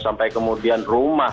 sampai kemudian rumah